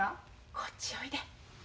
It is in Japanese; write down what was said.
こっちおいで。